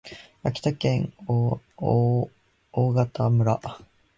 秋田県大潟村